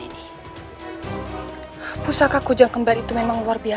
siapa kamu sebenarnya